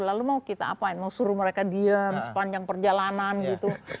lalu mau kita apa mau suruh mereka diem sepanjang perjalanan gitu